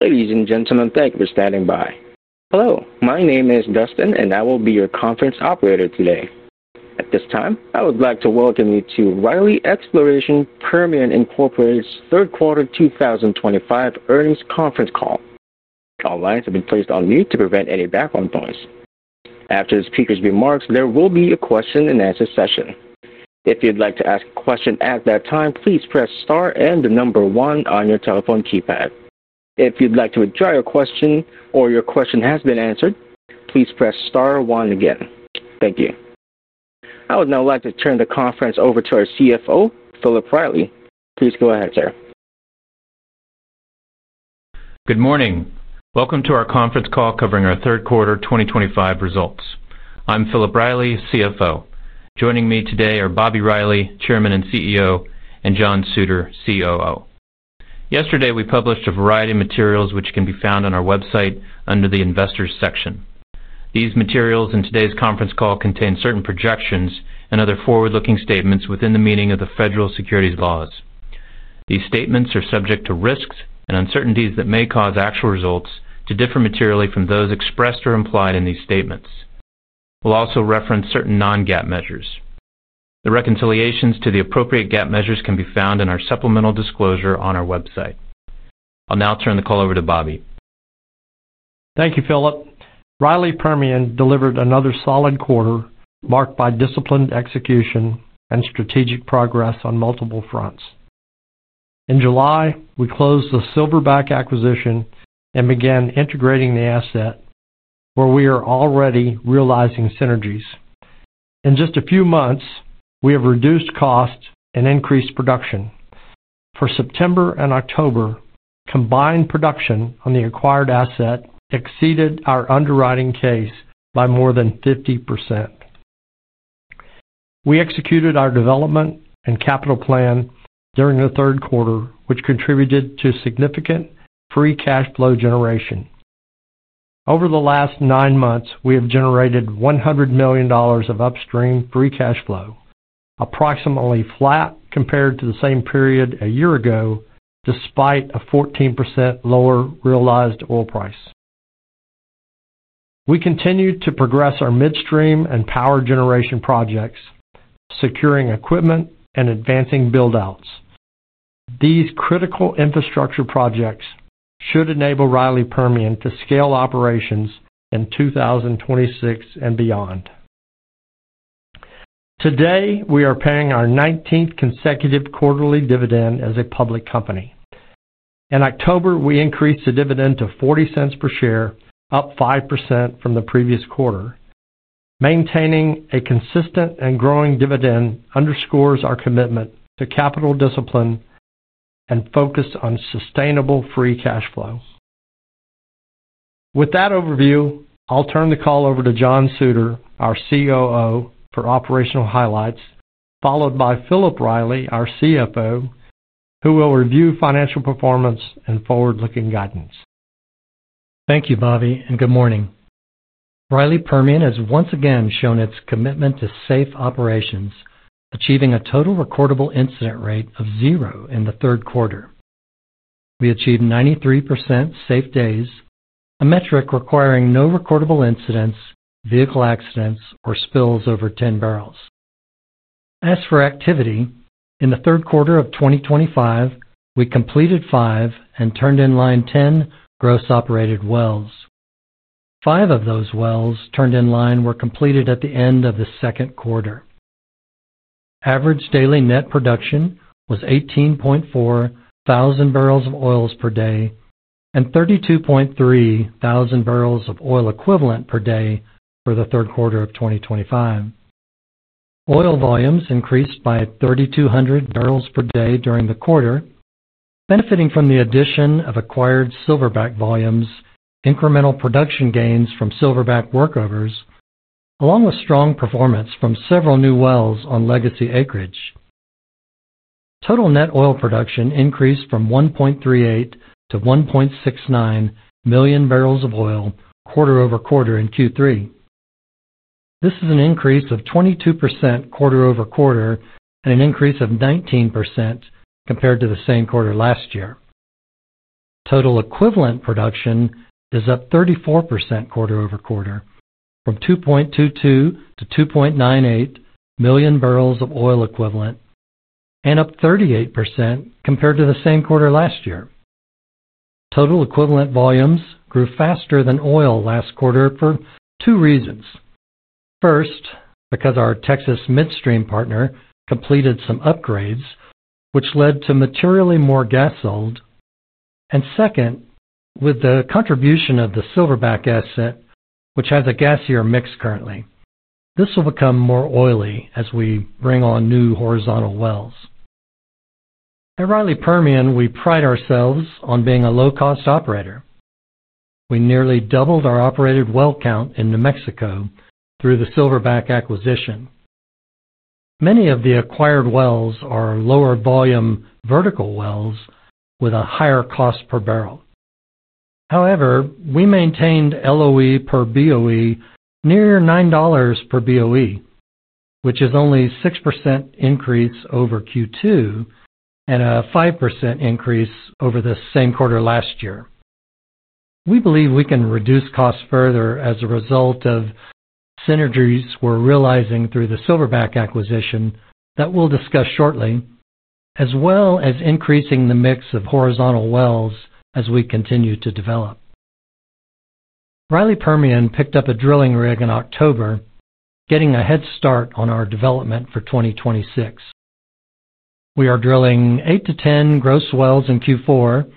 Ladies and gentlemen, thank you for standing by. Hello, my name is Dustin, and I will be your conference operator today. At this time, I would like to welcome you to Riley Exploration Permian Inc's Third Quarter 2025 Earnings Conference Call. All lines have been placed on mute to prevent any background noise. After the speaker's remarks, there will be a question and answer session. If you'd like to ask a question at that time, please press star and the number one on your telephone keypad. If you'd like to withdraw your question or your question has been answered, please press star one again. Thank you. I would now like to turn the conference over to our CFO, Philip Riley. Please go ahead, sir. Good morning. Welcome to our conference call covering our third quarter 2025 results. I'm Philip Riley, CFO. Joining me today are Bobby Riley, Chairman and CEO, and John Suter, COO. Yesterday, we published a variety of materials which can be found on our website under the investors' section. These materials and today's conference call contain certain projections and other forward-looking statements within the meaning of the federal securities laws. These statements are subject to risks and uncertainties that may cause actual results to differ materially from those expressed or implied in these statements. We'll also reference certain non-GAAP measures. The reconciliations to the appropriate GAAP measures can be found in our supplemental disclosure on our website. I'll now turn the call over to Bobby. Thank you, Philip. Riley Permian delivered another solid quarter marked by disciplined execution and strategic progress on multiple fronts. In July, we closed the Silverback acquisition and began integrating the asset, where we are already realizing synergies. In just a few months, we have reduced costs and increased production. For September and October, combined production on the acquired asset exceeded our underwriting case by more than 50%. We executed our development and capital plan during the third quarter, which contributed to significant free cash flow generation. Over the last nine months, we have generated $100 million of upstream free cash flow, approximately flat compared to the same period a year ago, despite a 14% lower realized oil price. We continue to progress our midstream and power generation projects, securing equipment and advancing build-outs. These critical infrastructure projects should enable Riley Permian to scale operations in 2026 and beyond. Today, we are paying our 19th consecutive quarterly dividend as a public company. In October, we increased the dividend to $0.40 per share, up 5% from the previous quarter. Maintaining a consistent and growing dividend underscores our commitment to capital discipline and focus on sustainable free cash flow. With that overview, I'll turn the call over to John Suter, our COO, for operational highlights, followed by Philip Riley, our CFO, who will review financial performance and forward-looking guidance. Thank you, Bobby, and good morning. Riley Exploration Permian has once again shown its commitment to safe operations, achieving a total recordable incident rate of zero in the third quarter. We achieved 93% safe days, a metric requiring no recordable incidents, vehicle accidents, or spills over 10 bbl. As for activity, in the third quarter of 2025, we completed five and turned in line 10 gross operated wells. Five of those wells turned in line were completed at the end of the second quarter. Average daily net production was 18.4 thousand bbl of oil per day and 32.3 thousand bbl of oil equivalent per day for the third quarter of 2025. Oil volumes increased by 3,200 bbl per day during the quarter, benefiting from the addition of acquired Silverback volumes, incremental production gains from Silverback workovers, along with strong performance from several new wells on legacy acreage. Total net oil production increased from 1.38-1.69 million bbl of oil quarter over quarter in Q3. This is an increase of 22% quarter over quarter and an increase of 19% compared to the same quarter last year. Total equivalent production is up 34% quarter over quarter, from 2.22-2.98 million bbl of oil equivalent, and up 38% compared to the same quarter last year. Total equivalent volumes grew faster than oil last quarter for two reasons. First, because our Texas midstream partner completed some upgrades, which led to materially more gas sold. Second, with the contribution of the Silverback asset, which has a gassier mix currently. This will become more oily as we bring on new horizontal wells. At Riley Permian, we pride ourselves on being a low-cost operator. We nearly doubled our operated well count in New Mexico through the Silverback acquisition. Many of the acquired wells are lower volume vertical wells with a higher cost per barrel. However, we maintained LOE per BOE near $9 per BOE, which is only a 6% increase over Q2. A 5% increase over the same quarter last year. We believe we can reduce costs further as a result of synergies we're realizing through the Silverback acquisition that we'll discuss shortly, as well as increasing the mix of horizontal wells as we continue to develop. Riley Exploration Permian picked up a drilling rig in October, getting a head start on our development for 2026. We are drilling 8-10 gross wells in Q4,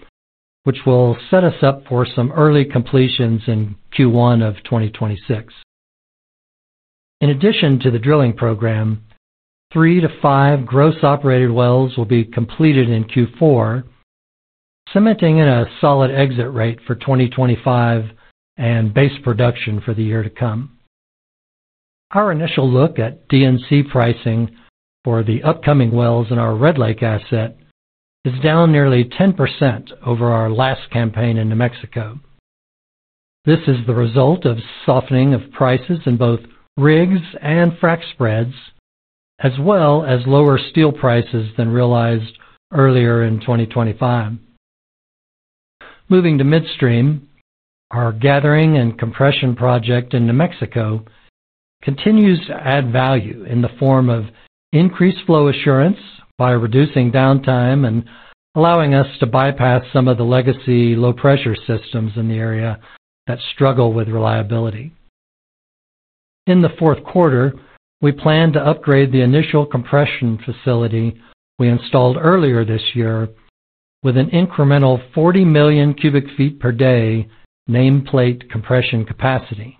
which will set us up for some early completions in Q1 of 2026. In addition to the drilling program, three to five gross operated wells will be completed in Q4, cementing in a solid exit rate for 2025. Base production for the year to come. Our initial look at DNC pricing for the upcoming wells in our Red Lake asset is down nearly 10% over our last campaign in New Mexico. This is the result of softening of prices in both rigs and frac spreads, as well as lower steel prices than realized earlier in 2025. Moving to midstream, our gathering and compression project in New Mexico continues to add value in the form of increased flow assurance by reducing downtime and allowing us to bypass some of the legacy low-pressure systems in the area that struggle with reliability. In the fourth quarter, we plan to upgrade the initial compression facility we installed earlier this year with an incremental 40 million cubic feet per day nameplate compression capacity.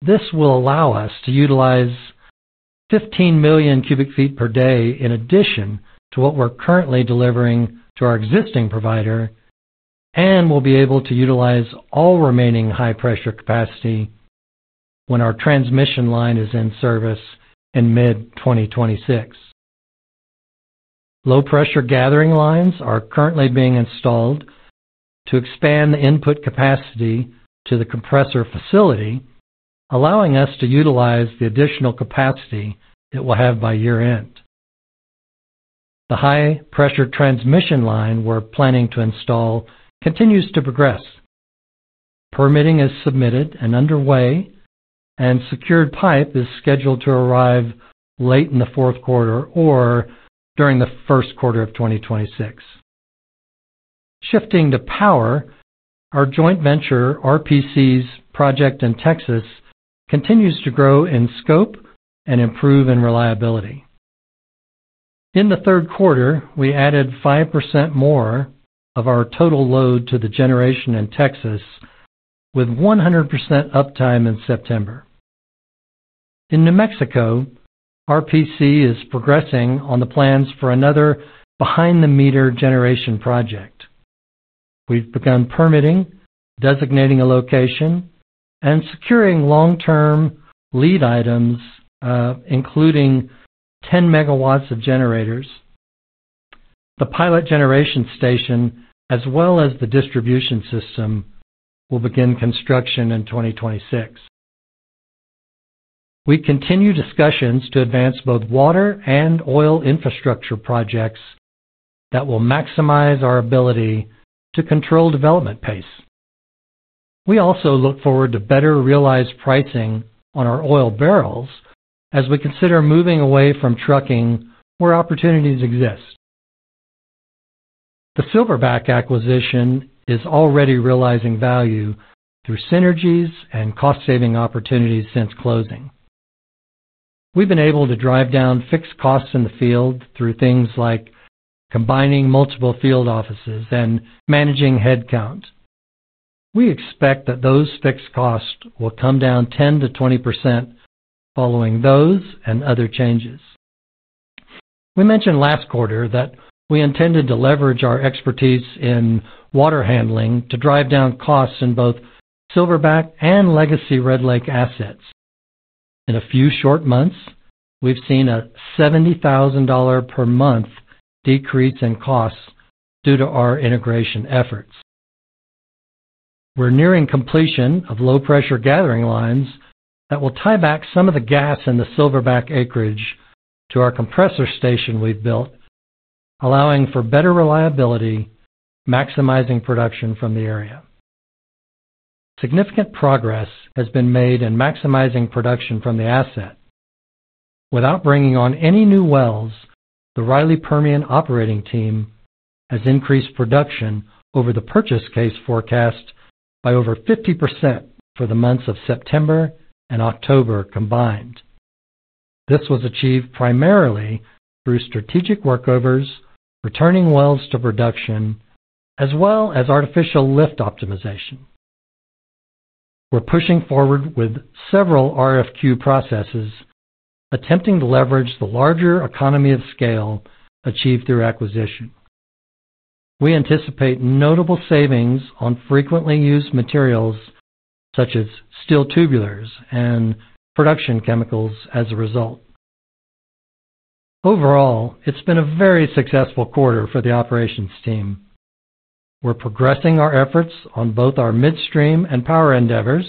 This will allow us to utilize. 15 million cubic feet per day in addition to what we're currently delivering to our existing provider, and we'll be able to utilize all remaining high-pressure capacity when our transmission line is in service in mid-2026. Low-pressure gathering lines are currently being installed to expand the input capacity to the compressor facility, allowing us to utilize the additional capacity it will have by year-end. The high-pressure transmission line we're planning to install continues to progress. Permitting is submitted and underway, and secured pipe is scheduled to arrive late in the fourth quarter or during the first quarter of 2026. Shifting to power, our joint venture RPC's project in Texas continues to grow in scope and improve in reliability. In the third quarter, we added 5% more of our total load to the generation in Texas, with 100% uptime in September. In New Mexico, RPC is progressing on the plans for another behind-the-meter generation project. We've begun permitting, designating a location, and securing long-term lead items, including 10 MW of generators. The pilot generation station, as well as the distribution system, will begin construction in 2026. We continue discussions to advance both water and oil infrastructure projects that will maximize our ability to control development pace. We also look forward to better realized pricing on our oil barrels as we consider moving away from trucking where opportunities exist. The Silverback acquisition is already realizing value through synergies and cost-saving opportunities since closing. We've been able to drive down fixed costs in the field through things like combining multiple field offices and managing headcount. We expect that those fixed costs will come down 10-20% following those and other changes. We mentioned last quarter that we intended to leverage our expertise in water handling to drive down costs in both Silverback and legacy Red Lake assets. In a few short months, we've seen a $70,000 per month decrease in costs due to our integration efforts. We're nearing completion of low-pressure gathering lines that will tie back some of the gas in the Silverback acreage to our compressor station we've built, allowing for better reliability, maximizing production from the area. Significant progress has been made in maximizing production from the asset. Without bringing on any new wells, the Riley Permian operating team has increased production over the purchase case forecast by over 50% for the months of September and October combined. This was achieved primarily through strategic workovers, returning wells to production, as well as artificial lift optimization. We're pushing forward with several RFQ processes, attempting to leverage the larger economy of scale achieved through acquisition. We anticipate notable savings on frequently used materials such as steel tubulars and production chemicals as a result. Overall, it's been a very successful quarter for the operations team. We're progressing our efforts on both our midstream and power endeavors.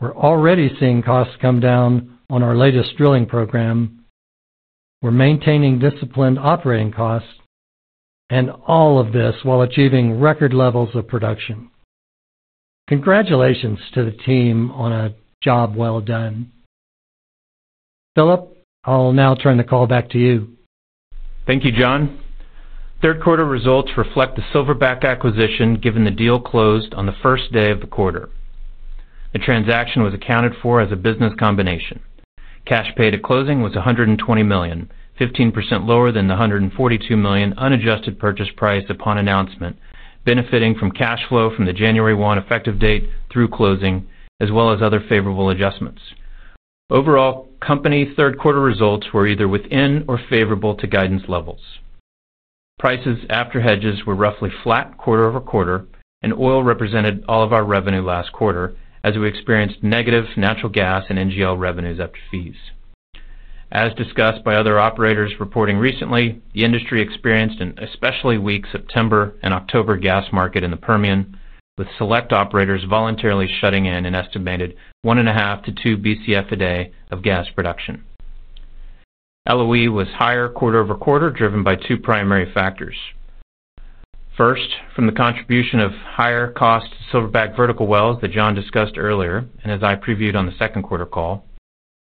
We're already seeing costs come down on our latest drilling program. We're maintaining disciplined operating costs, and all of this while achieving record levels of production. Congratulations to the team on a job well done. Philip, I'll now turn the call back to you. Thank you, John. Third quarter results reflect the Silverback acquisition given the deal closed on the first day of the quarter. The transaction was accounted for as a business combination. Cash paid at closing was $120 million, 15% lower than the $142 million unadjusted purchase price upon announcement, benefiting from cash flow from the January 1 effective date through closing, as well as other favorable adjustments. Overall, company third quarter results were either within or favorable to guidance levels. Prices after hedges were roughly flat quarter-over-quarter, and oil represented all of our revenue last quarter as we experienced negative natural gas and NGL revenues after fees. As discussed by other operators reporting recently, the industry experienced an especially weak September and October gas market in the Permian, with select operators voluntarily shutting in an estimated one and a half to two BCF a day of gas production. LOE was higher quarter over quarter driven by two primary factors. First, from the contribution of higher cost Silverback vertical wells that John discussed earlier and as I previewed on the second quarter call,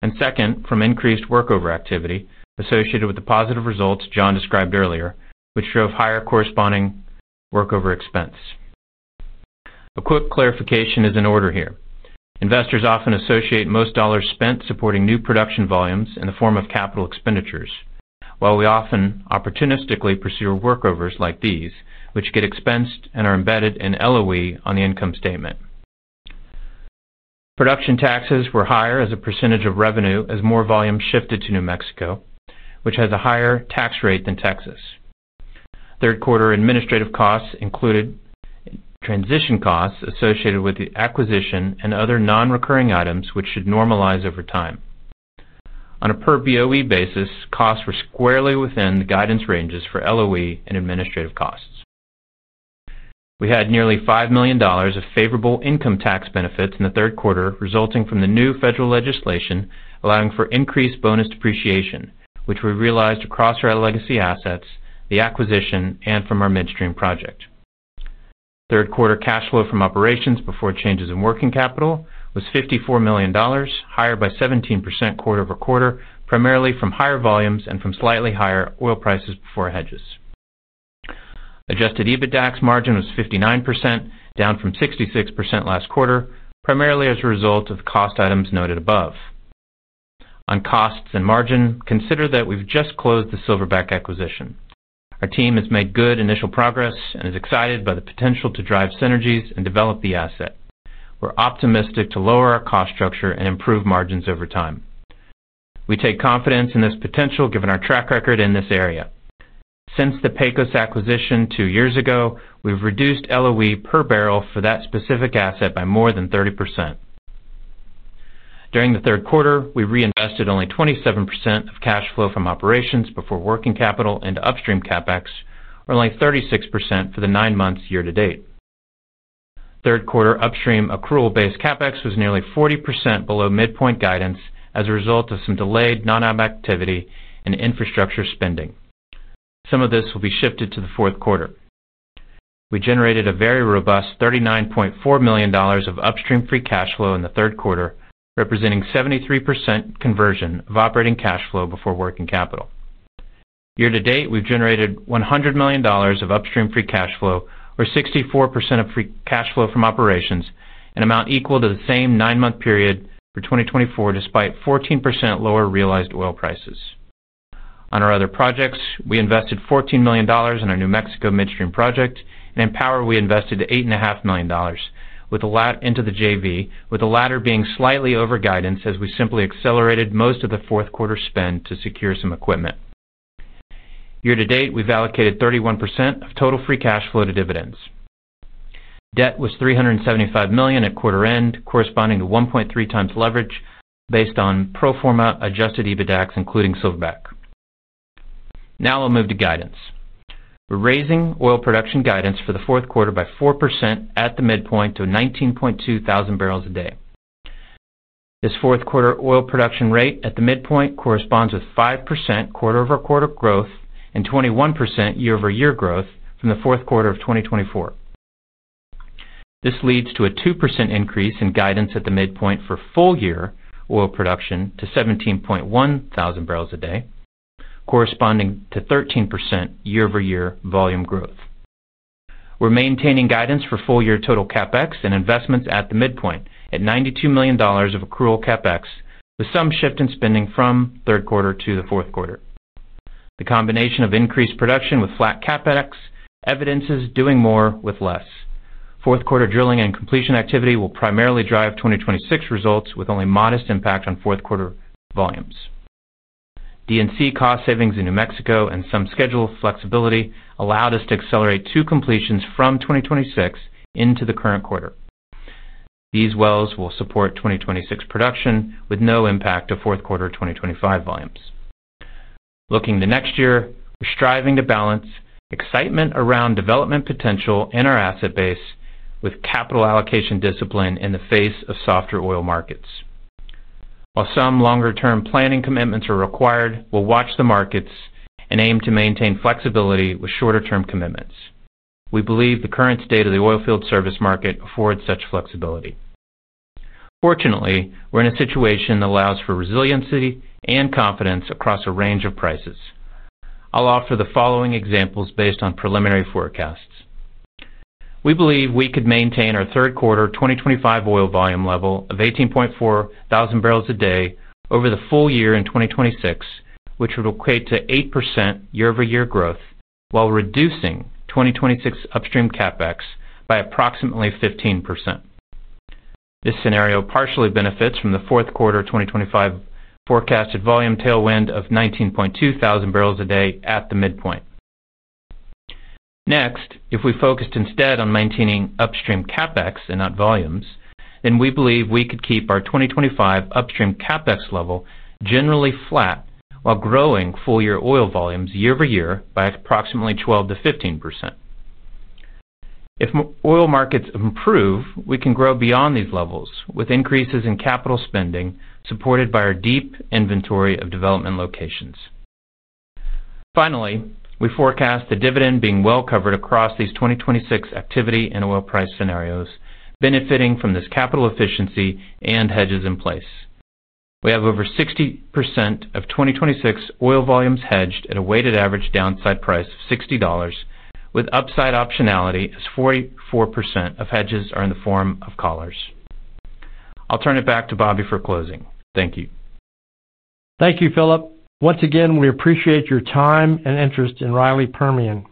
and second, from increased workover activity associated with the positive results John described earlier, which drove higher corresponding workover expense. A quick clarification is in order here. Investors often associate most dollars spent supporting new production volumes in the form of capital expenditures, while we often opportunistically pursue workovers like these, which get expensed and are embedded in LOE on the income statement. Production taxes were higher as a percentage of revenue as more volume shifted to New Mexico, which has a higher tax rate than Texas. Third quarter administrative costs included transition costs associated with the acquisition and other non-recurring items, which should normalize over time. On a per BOE basis, costs were squarely within the guidance ranges for LOE and administrative costs. We had nearly $5 million of favorable income tax benefits in the third quarter resulting from the new federal legislation allowing for increased bonus depreciation, which we realized across our legacy assets, the acquisition, and from our midstream project. Third quarter cash flow from operations before changes in working capital was $54 million, higher by 17% quarter over quarter, primarily from higher volumes and from slightly higher oil prices before hedges. Adjusted EBITDA margin was 59%, down from 66% last quarter, primarily as a result of the cost items noted above. On costs and margin, consider that we've just closed the Silverback acquisition. Our team has made good initial progress and is excited by the potential to drive synergies and develop the asset. We're optimistic to lower our cost structure and improve margins over time. We take confidence in this potential given our track record in this area. Since the Pecos acquisition two years ago, we've reduced LOE per bbl for that specific asset by more than 30%. During the third quarter, we reinvested only 27% of cash flow from operations before working capital into upstream CapEx, or only 36% for the nine months year to date. Third quarter upstream accrual-based CapEx was nearly 40% below midpoint guidance as a result of some delayed non-op activity and infrastructure spending. Some of this will be shifted to the fourth quarter. We generated a very robust $39.4 million of upstream free cash flow in the third quarter, representing 73% conversion of operating cash flow before working capital. Year to date, we've generated $100 million of upstream free cash flow, or 64% of free cash flow from operations, an amount equal to the same nine-month period for 2024, despite 14% lower realized oil prices. On our other projects, we invested $14 million in our New Mexico midstream project, and in power, we invested $8.5 million, with the latter being slightly over guidance as we simply accelerated most of the fourth quarter spend to secure some equipment. Year to date, we've allocated 31% of total free cash flow to dividends. Debt was $375 million at quarter end, corresponding to 1.3x leverage based on pro forma adjusted EBITDA, including Silverback. Now I'll move to guidance. We're raising oil production guidance for the fourth quarter by 4% at the midpoint to 19.2 thousand bbl a day. This fourth quarter oil production rate at the midpoint corresponds with 5% quarter-over-quarter growth and 21% year-over-year growth from the fourth quarter of 2024. This leads to a 2% increase in guidance at the midpoint for full-year oil production to 17.1 thousand bbl a day, corresponding to 13% year-over-year volume growth. We're maintaining guidance for full-year total CapEx and investments at the midpoint at $92 million of accrual CapEx, with some shift in spending from third quarter to the fourth quarter. The combination of increased production with flat CapEx evidences doing more with less. Fourth quarter drilling and completion activity will primarily drive 2026 results, with only modest impact on fourth quarter volumes. DNC cost savings in New Mexico and some schedule flexibility allowed us to accelerate two completions from 2026 into the current quarter. These wells will support 2026 production with no impact to fourth quarter 2025 volumes. Looking to next year, we're striving to balance excitement around development potential in our asset base with capital allocation discipline in the face of softer oil markets. While some longer-term planning commitments are required, we'll watch the markets and aim to maintain flexibility with shorter-term commitments. We believe the current state of the oil field service market affords such flexibility. Fortunately, we're in a situation that allows for resiliency and confidence across a range of prices. I'll offer the following examples based on preliminary forecasts. We believe we could maintain our third quarter 2025 oil volume level of 18.4 thousand bbl a day over the full year in 2026, which would equate to 8% year-over-year growth while reducing 2026 upstream CapEx by approximately 15%. This scenario partially benefits from the fourth quarter 2025 forecasted volume tailwind of 19.2 thousand bbl a day at the midpoint. Next, if we focused instead on maintaining upstream CapEx and not volumes, then we believe we could keep our 2025 upstream CapEx level generally flat while growing full-year oil volumes year-over-year by approximately 12-15%. If oil markets improve, we can grow beyond these levels with increases in capital spending supported by our deep inventory of development locations. Finally, we forecast the dividend being well covered across these 2026 activity and oil price scenarios, benefiting from this capital efficiency and hedges in place. We have over 60% of 2026 oil volumes hedged at a weighted average downside price of $60, with upside optionality as 44% of hedges are in the form of collars. I'll turn it back to Bobby for closing. Thank you. Thank you, Philip. Once again, we appreciate your time and interest in Riley Exploration Permian.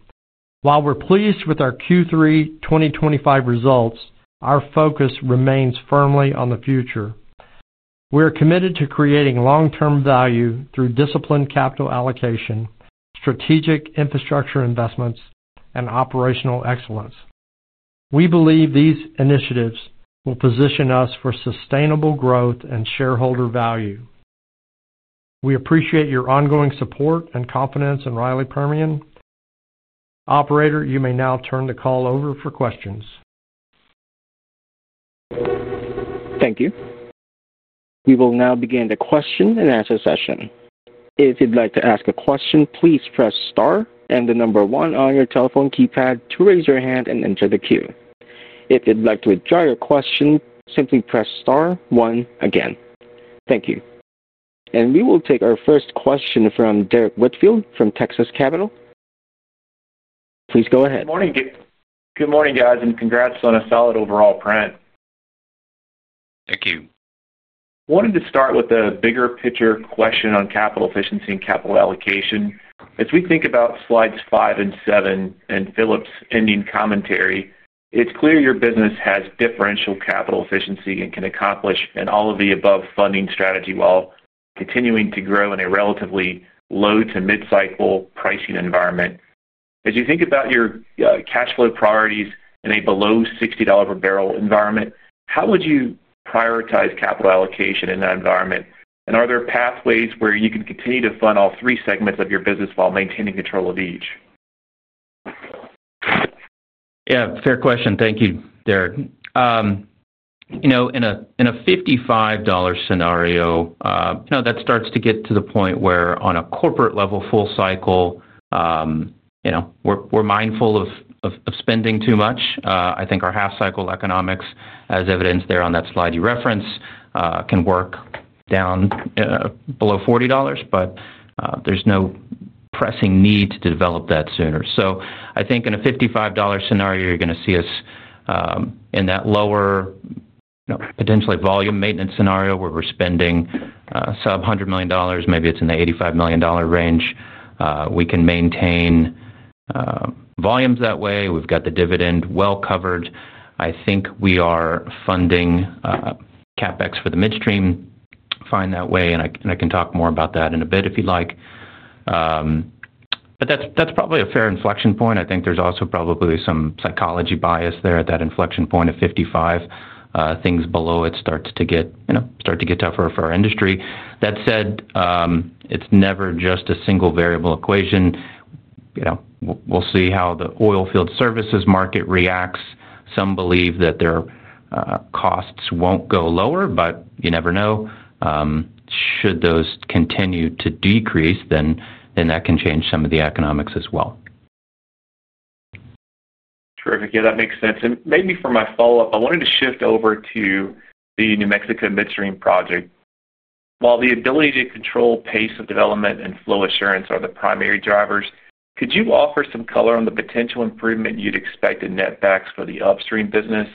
While we're pleased with our Q3 2025 results, our focus remains firmly on the future. We are committed to creating long-term value through disciplined capital allocation, strategic infrastructure investments, and operational excellence. We believe these initiatives will position us for sustainable growth and shareholder value. We appreciate your ongoing support and confidence in Riley Permian. Operator, you may now turn the call over for questions. Thank you. We will now begin the question and answer session. If you'd like to ask a question, please press star and the number one on your telephone keypad to raise your hand and enter the queue. If you'd like to withdraw your question, simply press star one again. Thank you. We will take our first question from Derek Whitfield from Texas Capital. Please go ahead. Good morning, good morning, guys, and congrats on a solid overall print. Thank you. Wanted to start with a bigger picture question on capital efficiency and capital allocation. As we think about slides five and seven and Philip's ending commentary, it's clear your business has differential capital efficiency and can accomplish all of the above funding strategy while continuing to grow in a relatively low to mid-cycle pricing environment. As you think about your cash flow priorities in a below $60 per bbl environment, how would you prioritize capital allocation in that environment? Are there pathways where you can continue to fund all three segments of your business while maintaining control of each? Yeah, fair question. Thank you, Derek. In a $55 scenario, that starts to get to the point where on a corporate level, full cycle. We're mindful of spending too much. I think our half-cycle economics, as evidenced there on that slide you referenced, can work down. Below $40, but there's no pressing need to develop that sooner. I think in a $55 scenario, you're going to see us in that lower, potentially volume maintenance scenario where we're spending sub $100 million, maybe it's in the $85 million range, we can maintain volumes that way. We've got the dividend well covered. I think we are funding CapEx for the midstream fine that way. I can talk more about that in a bit if you'd like. That's probably a fair inflection point. I think there's also probably some psychology bias there at that inflection point of 55. Things below it start to get tougher for our industry. That said, it's never just a single variable equation. We'll see how the oil field services market reacts. Some believe that their costs won't go lower, but you never know. Should those continue to decrease, then that can change some of the economics as well. Terrific. Yeah, that makes sense. Maybe for my follow-up, I wanted to shift over to the New Mexico midstream project. While the ability to control pace of development and flow assurance are the primary drivers, could you offer some color on the potential improvement you'd expect in NetBacks for the upstream business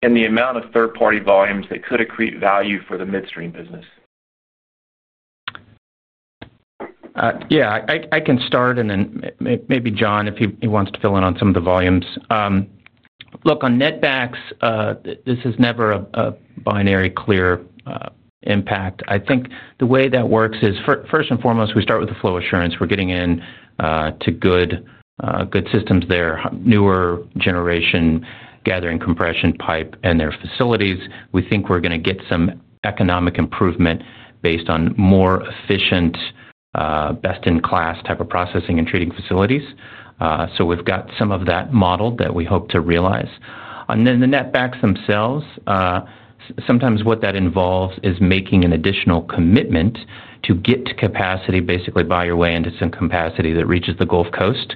and the amount of third-party volumes that could accrete value for the midstream business? Yeah, I can start, and then maybe John, if he wants to fill in on some of the volumes. Look, on NetBacks, this is never a binary clear impact. I think the way that works is, first and foremost, we start with the flow assurance. We're getting into good systems there, newer generation gathering compression pipe and their facilities. We think we're going to get some economic improvement based on more efficient, best-in-class type of processing and treating facilities. So we've got some of that modeled that we hope to realize. And then the NetBacks themselves. Sometimes what that involves is making an additional commitment to get to capacity, basically buy your way into some capacity that reaches the Gulf Coast.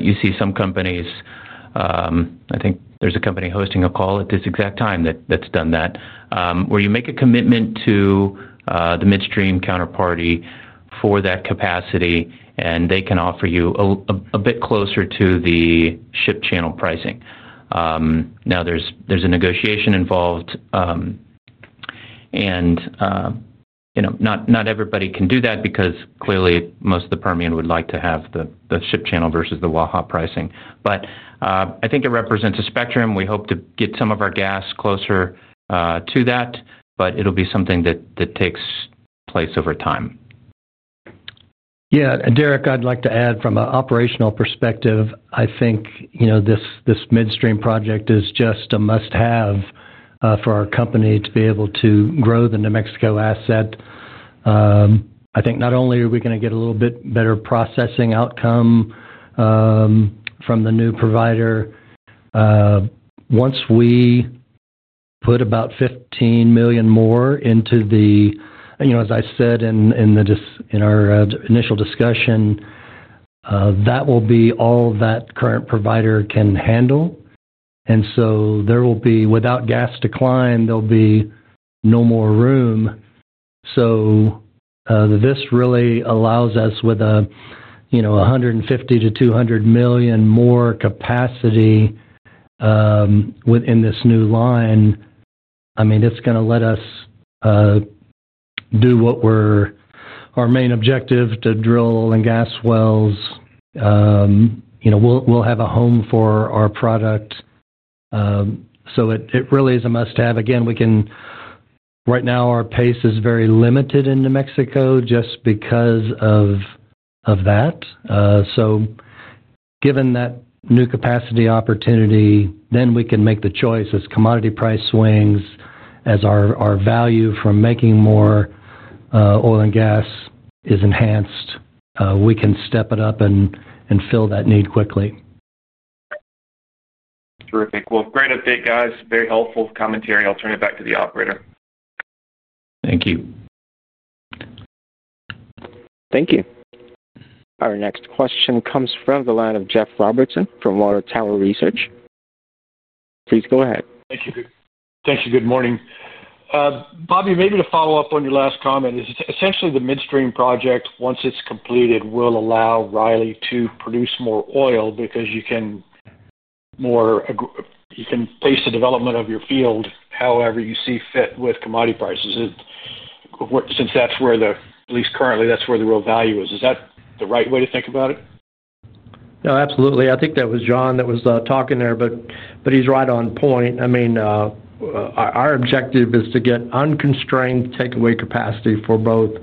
You see some companies—I think there's a company hosting a call at this exact time that's done that—where you make a commitment to. The midstream counterparty for that capacity, and they can offer you a bit closer to the ship channel pricing. Now, there's a negotiation involved. Not everybody can do that because clearly most of the Permian would like to have the ship channel versus the Waha pricing. I think it represents a spectrum. We hope to get some of our gas closer to that, but it'll be something that takes place over time. Yeah, Derek, I'd like to add from an operational perspective. I think this midstream project is just a must-have for our company to be able to grow the New Mexico asset. I think not only are we going to get a little bit better processing outcome from the new provider. Once we put about $15 million more into the—as I said in our initial discussion, that will be all that current provider can handle. And so there will be, without gas decline, there'll be no more room. This really allows us with $150 million-$200 million more capacity within this new line. I mean, it's going to let us do what we're—our main objective to drill and gas wells. We'll have a home for our product. It really is a must-have. Again, right now, our pace is very limited in New Mexico just because of that. Given that new capacity opportunity, we can make the choice as commodity price swings, as our value from making more oil and gas is enhanced, we can step it up and fill that need quickly. Terrific. Great update, guys. Very helpful commentary. I'll turn it back to the operator. Thank you. Thank you. Our next question comes from the line of Jeff Robertson from Water Tower Research. Please go ahead. Thank you. Good morning. Bobby, maybe to follow up on your last comment, essentially the midstream project, once it's completed, will allow Riley to produce more oil because you can pace the development of your field however you see fit with commodity prices. Since that's where the—at least currently, that's where the real value is. Is that the right way to think about it? No, absolutely. I think that was John that was talking there, but he's right on point. I mean, our objective is to get unconstrained takeaway capacity for both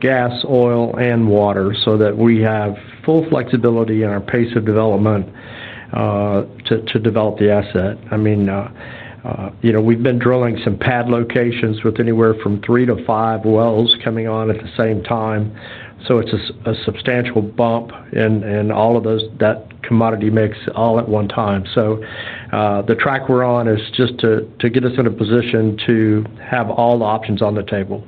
gas, oil, and water so that we have full flexibility in our pace of development to develop the asset. I mean, we've been drilling some pad locations with anywhere from three to five wells coming on at the same time. It is a substantial bump in all of that commodity mix all at one time. The track we're on is just to get us in a position to have all the options on the table.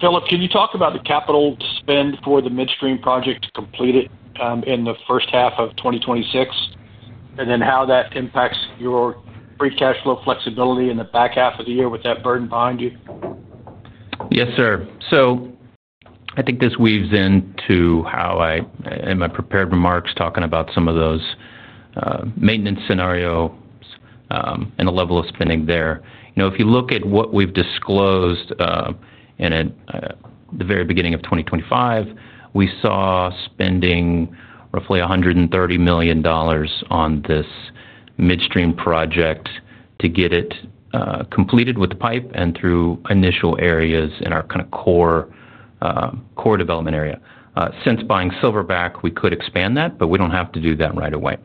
Philip, can you talk about the capital to spend for the midstream project to complete it in the first half of 2026? How does that impact your free cash flow flexibility in the back half of the year with that burden behind you? Yes, sir. I think this weaves into how I, in my prepared remarks, talking about some of those maintenance scenarios and the level of spending there. If you look at what we've disclosed, in the very beginning of 2025, we saw spending roughly $130 million on this midstream project to get it completed with the pipe and through initial areas in our kind of core development area. Since buying Silverback, we could expand that, but we do not have to do that right away.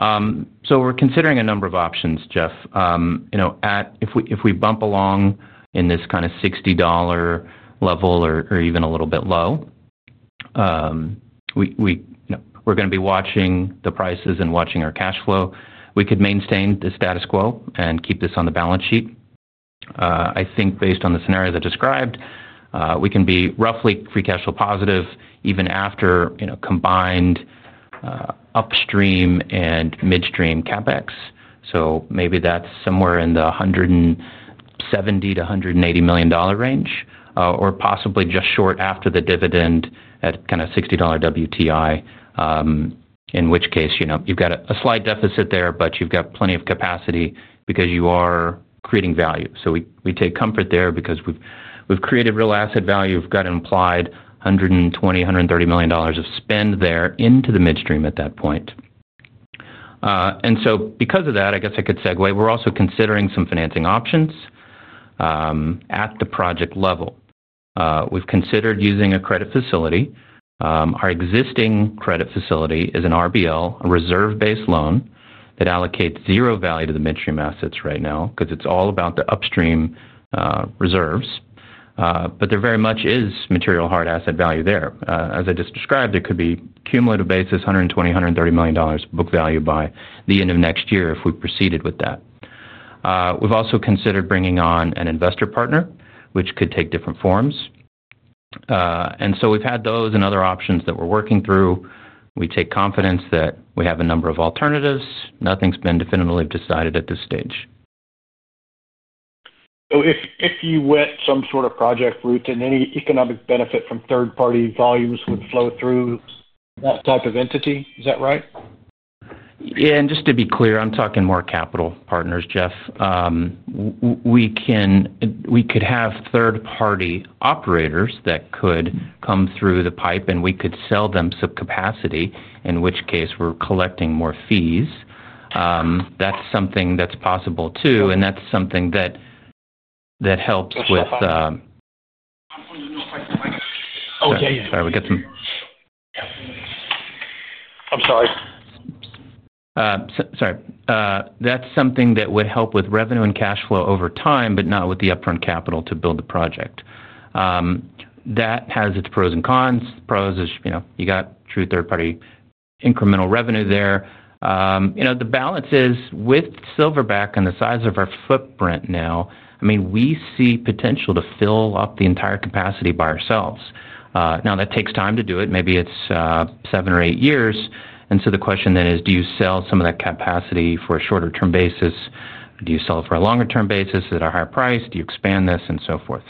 We are considering a number of options, Jeff. If we bump along in this kind of $60 level or even a little bit low, we are going to be watching the prices and watching our cash flow. We could maintain the status quo and keep this on the balance sheet. I think based on the scenario that described, we can be roughly free cash flow positive even after combined upstream and midstream CapEx. Maybe that's somewhere in the $170-$180 million range or possibly just short after the dividend at kind of $60 WTI. In which case you've got a slight deficit there, but you've got plenty of capacity because you are creating value. We take comfort there because we've created real asset value. We've got an implied $120-$130 million of spend there into the midstream at that point. Because of that, I guess I could segue, we're also considering some financing options at the project level. We've considered using a credit facility. Our existing credit facility is an RBL, a reserve-based loan that allocates zero value to the midstream assets right now because it's all about the upstream reserves. There very much is material hard asset value there. As I just described, there could be cumulative basis $120 million-$130 million book value by the end of next year if we proceeded with that. We have also considered bringing on an investor partner, which could take different forms. We have had those and other options that we are working through. We take confidence that we have a number of alternatives. Nothing has been definitively decided at this stage. If you went some sort of project route, then any economic benefit from third-party volumes would flow through that type of entity. Is that right? Yeah. Just to be clear, I'm talking more capital partners, Jeff. We could have third-party operators that could come through the pipe, and we could sell them some capacity, in which case we're collecting more fees. That's something that's possible too. That's something that helps with. Oh, yeah, yeah. Sorry, we got some. I'm sorry. Sorry. That's something that would help with revenue and cash flow over time, but not with the upfront capital to build the project. That has its pros and cons. Pros is you got true third-party incremental revenue there. The balance is with Silverback and the size of our footprint now, I mean, we see potential to fill up the entire capacity by ourselves. Now, that takes time to do it. Maybe it's seven or eight years. The question then is, do you sell some of that capacity for a shorter-term basis? Do you sell it for a longer-term basis at a higher price? Do you expand this and so forth?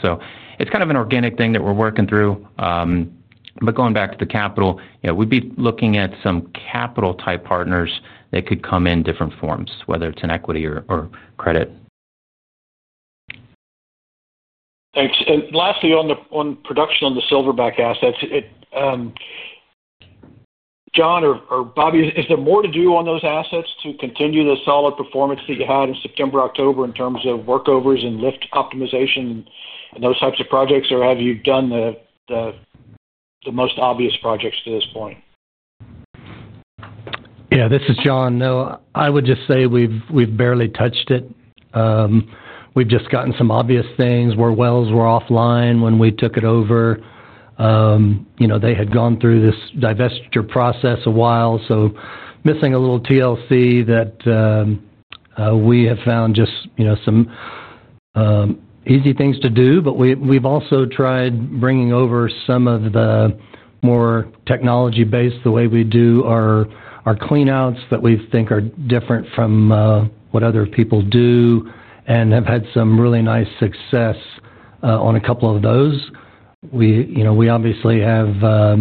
It's kind of an organic thing that we're working through. Going back to the capital, we'd be looking at some capital-type partners that could come in different forms, whether it's an equity or credit. Thanks. Lastly, on production on the Silverback assets. John or Bobby, is there more to do on those assets to continue the solid performance that you had in September, October in terms of workovers and lift optimization and those types of projects, or have you done the most obvious projects to this point? Yeah, this is John. No, I would just say we've barely touched it. We've just gotten some obvious things. Wells were offline when we took it over. They had gone through this divestiture process a while. Missing a little TLC. We have found just some easy things to do. We have also tried bringing over some of the more technology-based ways we do our clean-outs that we think are different from what other people do and have had some really nice success on a couple of those. We obviously have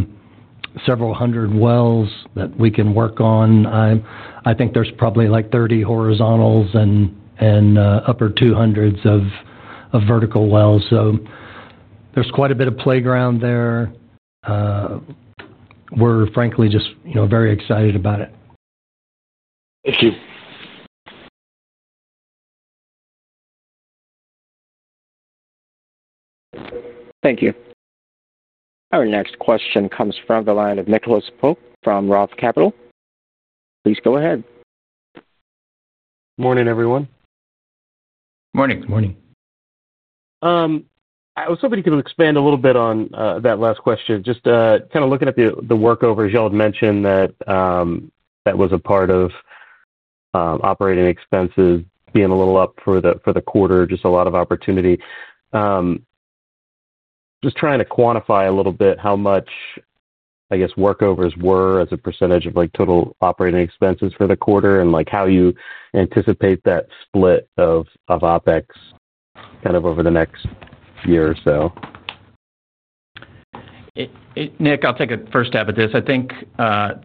several hundred wells that we can work on. I think there's probably like 30 horizontals and upper 200s of vertical wells. There is quite a bit of playground there. We're frankly just very excited about it. Thank you. Thank you. Our next question comes from the line of Nicholas Pope from Roth Capital. Please go ahead. Morning, everyone. Morning. Morning. I was hoping you could expand a little bit on that last question. Just kind of looking at the workovers, y'all had mentioned that. That was a part of operating expenses being a little up for the quarter, just a lot of opportunity. Just trying to quantify a little bit how much, I guess, workovers were as a percentage of total operating expenses for the quarter and how you anticipate that split of OpEx kind of over the next year or so. Nick, I'll take a first stab at this. I think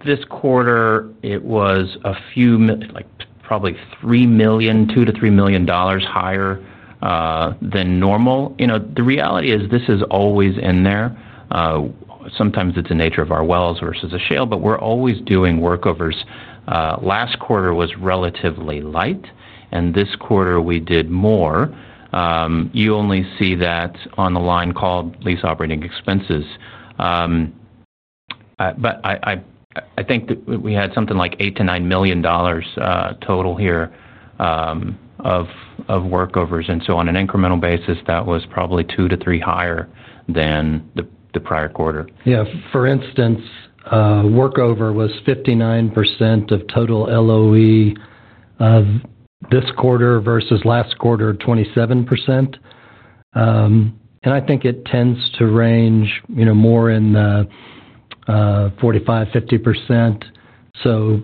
this quarter, it was a few, probably $2 million-$3 million higher than normal. The reality is this is always in there. Sometimes it's a nature of our wells versus a shale, but we're always doing workovers. Last quarter was relatively light, and this quarter we did more. You only see that on the line called lease operating expenses. I think we had something like $8 million-$9 million total here of workovers. On an incremental basis, that was probably $2 million-$3 million higher than the prior quarter. Yeah. For instance, workover was 59% of total LOE this quarter versus last quarter, 27%. I think it tends to range more in the 45-50% range.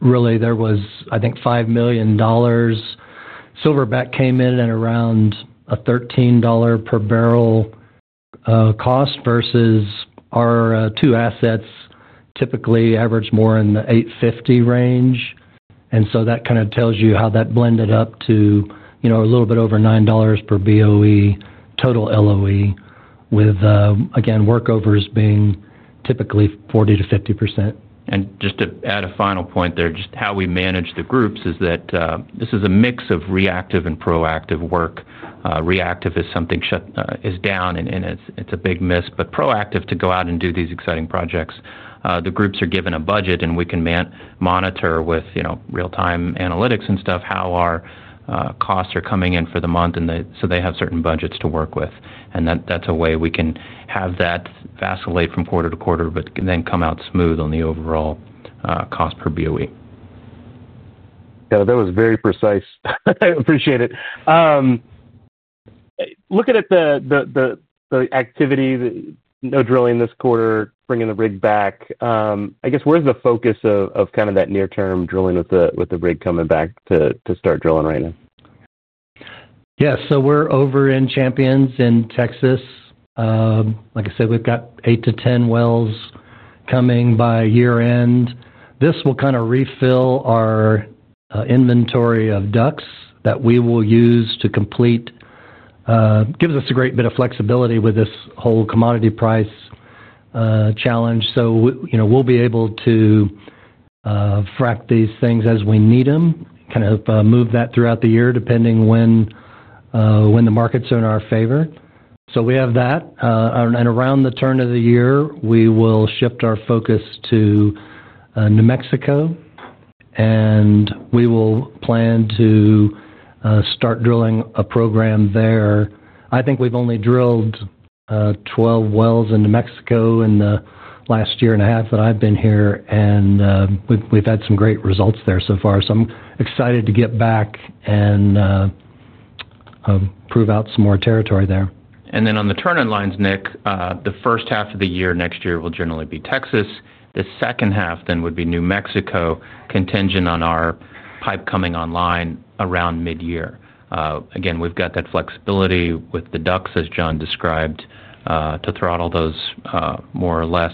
Really, there was, I think, $5 million. Silverback came in at around a $13 per bbl cost versus our two assets typically average more in the $8.50 range. That kind of tells you how that blended up to a little bit over $9 per BOE total LOE, with, again, workovers being typically 40-50%. Just to add a final point there, just how we manage the groups is that this is a mix of reactive and proactive work. Reactive is something shut down, and it's a big miss. Proactive to go out and do these exciting projects. The groups are given a budget, and we can monitor with real-time analytics and stuff how our costs are coming in for the month. They have certain budgets to work with. That's a way we can have that vacillate from quarter to quarter, but then come out smooth on the overall cost per BOE. Yeah. That was very precise. I appreciate it. Looking at the activity, no drilling this quarter, bringing the rig back, I guess, where's the focus of kind of that near-term drilling with the rig coming back to start drilling right now? Yeah. So we're over in Champions in Texas. Like I said, we've got 8-10 wells coming by year-end. This will kind of refill our inventory of ducks that we will use to complete. Gives us a great bit of flexibility with this whole commodity price challenge. We'll be able to frack these things as we need them, kind of move that throughout the year depending when the markets are in our favor. We have that. Around the turn of the year, we will shift our focus to New Mexico. We will plan to start drilling a program there. I think we've only drilled 12 wells in New Mexico in the last year and a half that I've been here. We've had some great results there so far. I'm excited to get back and prove out some more territory there. On the turning lines, Nick, the first half of the year next year will generally be Texas. The second half then would be New Mexico, contingent on our pipe coming online around mid-year. Again, we've got that flexibility with the ducks, as John described, to throttle those more or less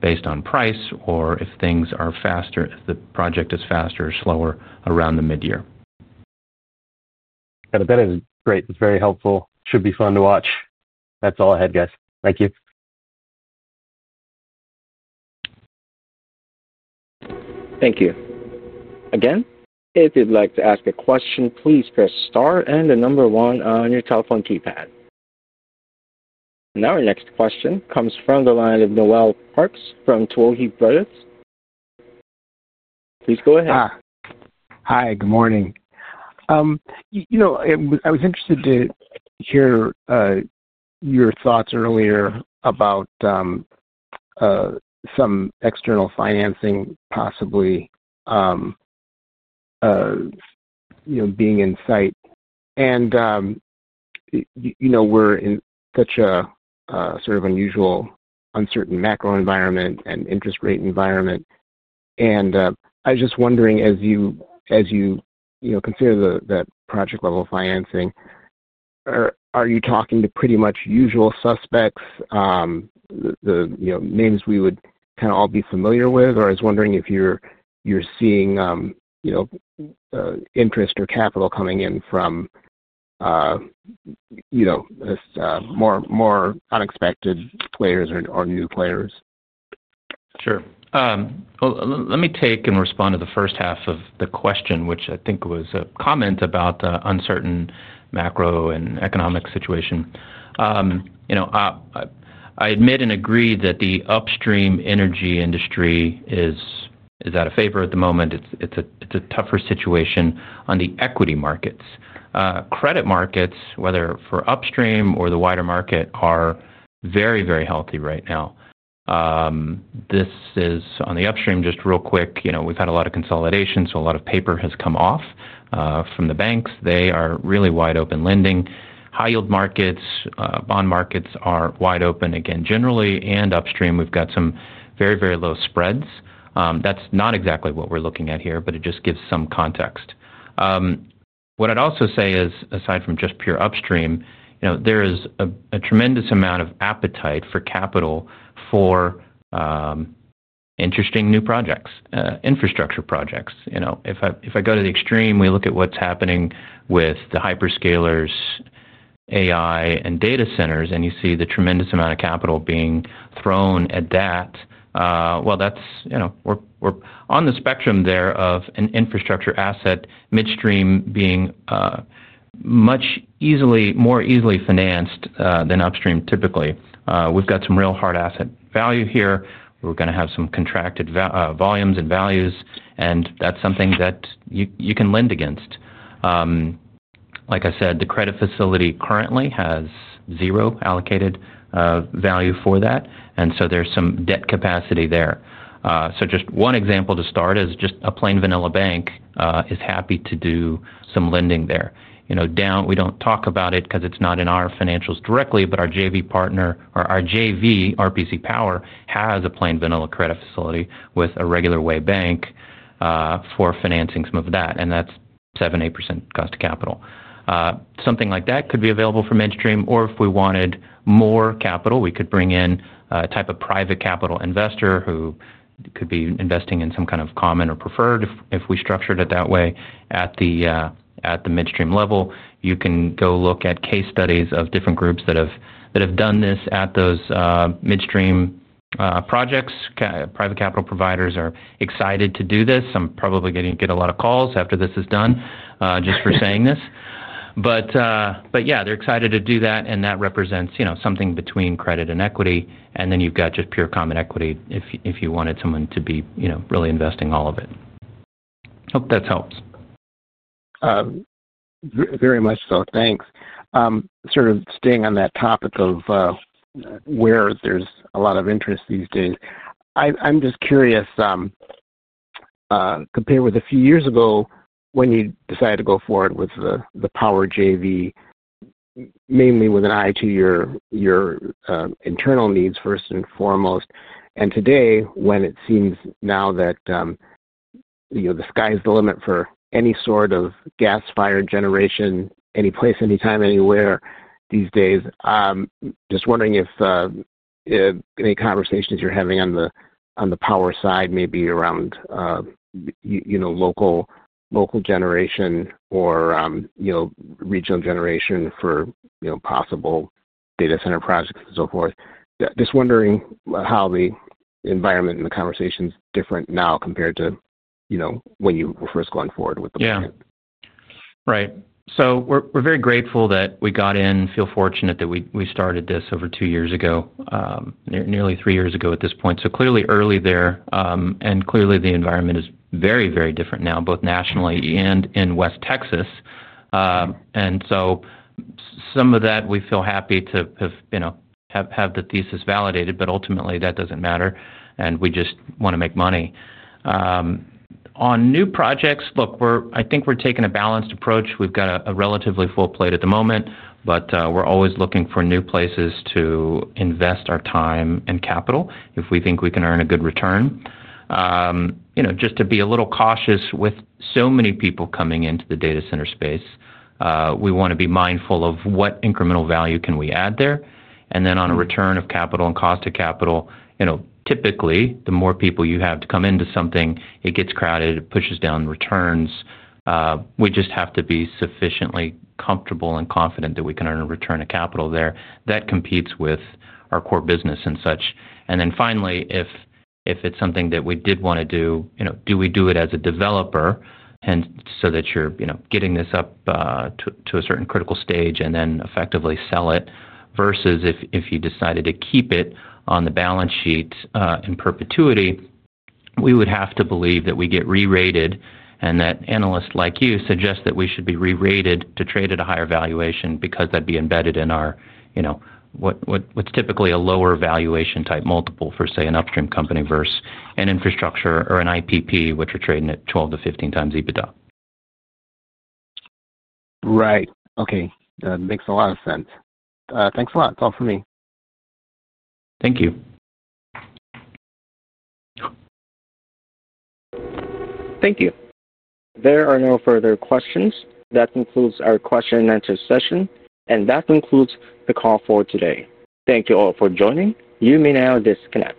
based on price or if things are faster, if the project is faster or slower around the mid-year. Kind of that is great. It's very helpful. Should be fun to watch. That's all I had, guys. Thank you. Thank you. Again, if you'd like to ask a question, please press star and the number one on your telephone keypad. Our next question comes from the line of Noel Parks from Tuohy Brothers. Please go ahead. Hi. Good morning. I was interested to hear your thoughts earlier about some external financing possibly being in sight. We're in such a sort of unusual, uncertain macro environment and interest rate environment. I was just wondering, as you consider the project-level financing, are you talking to pretty much usual suspects, the names we would kind of all be familiar with? I was wondering if you're seeing interest or capital coming in from more unexpected players or new players. Sure. Let me take and respond to the first half of the question, which I think was a comment about the uncertain macro and economic situation. I admit and agree that the upstream energy industry is out of favor at the moment. It's a tougher situation on the equity markets. Credit markets, whether for upstream or the wider market, are very, very healthy right now. This is on the upstream, just real quick. We've had a lot of consolidation, so a lot of paper has come off from the banks. They are really wide open lending. High-yield markets, bond markets are wide open, again, generally. In upstream, we've got some very, very low spreads. That's not exactly what we're looking at here, but it just gives some context. What I'd also say is, aside from just pure upstream, there is a tremendous amount of appetite for capital for. Interesting new projects, infrastructure projects. If I go to the extreme, we look at what's happening with the hyperscalers. AI, and data centers, and you see the tremendous amount of capital being thrown at that. We are on the spectrum there of an infrastructure asset midstream being more easily financed than upstream typically. We have some real hard asset value here. We are going to have some contracted volumes and values, and that is something that you can lend against. Like I said, the credit facility currently has zero allocated value for that. And so there is some debt capacity there. Just one example to start is just a plain vanilla bank is happy to do some lending there. We do not talk about it because it is not in our financials directly, but our JV partner, or our JV, RPC Power, has a plain vanilla credit facility with a regular way bank. For financing some of that. That is 7-8% cost of capital. Something like that could be available for midstream. If we wanted more capital, we could bring in a type of private capital investor who could be investing in some kind of common or preferred if we structured it that way at the midstream level. You can go look at case studies of different groups that have done this at those midstream projects. Private capital providers are excited to do this. I am probably going to get a lot of calls after this is done just for saying this. Yeah, they are excited to do that. That represents something between credit and equity. Then you have just pure common equity if you wanted someone to be really investing all of it. Hope that helps. Very much so. Thanks. Sort of staying on that topic of where there's a lot of interest these days. I'm just curious. Compared with a few years ago when you decided to go forward with the power JV, mainly with an eye to your internal needs first and foremost, and today, when it seems now that the sky is the limit for any sort of gas fired generation, any place, anytime, anywhere these days. Just wondering if any conversations you're having on the power side, maybe around local generation or regional generation for possible data center projects and so forth. Just wondering how the environment and the conversation is different now compared to when you were first going forward with the plan. Yeah. Right. We are very grateful that we got in, feel fortunate that we started this over two years ago. Nearly three years ago at this point. Clearly early there. Clearly the environment is very, very different now, both nationally and in West Texas. Some of that we feel happy to have the thesis validated, but ultimately that does not matter. We just want to make money. On new projects, look, I think we are taking a balanced approach. We have got a relatively full plate at the moment, but we are always looking for new places to invest our time and capital if we think we can earn a good return. Just to be a little cautious with so many people coming into the data center space. We want to be mindful of what incremental value can we add there. On a return of capital and cost of capital, typically the more people you have to come into something, it gets crowded, it pushes down returns. We just have to be sufficiently comfortable and confident that we can earn a return of capital there that competes with our core business and such. Finally, if it is something that we did want to do, do we do it as a developer so that you are getting this up to a certain critical stage and then effectively sell it versus if you decided to keep it on the balance sheet in perpetuity, we would have to believe that we get re-rated and that analysts like you suggest that we should be re-rated to trade at a higher valuation because that would be embedded in our. What's typically a lower valuation type multiple for, say, an upstream company versus an infrastructure or an IPP, which are trading at 12-15x EBITDA. Right. Okay. That makes a lot of sense. Thanks a lot. That's all for me. Thank you. Thank you. There are no further questions. That concludes our question and answer session. That concludes the call for today. Thank you all for joining. You may now disconnect.